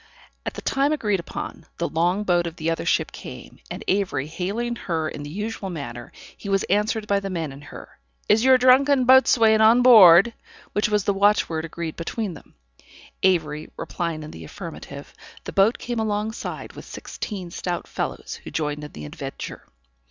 At the time agreed upon, the long boat of the other ship came, and Avery hailing her in the usual manner, he was answered by the men in her, "Is your drunken boatswain on board?" which was the watchword agreed between them. Avery replying in the affirmative, the boat came alongside with sixteen stout fellows, who joined in the adventure.